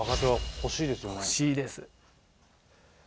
ほしいです。